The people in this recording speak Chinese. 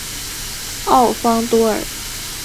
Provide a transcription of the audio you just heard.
奥方多尔。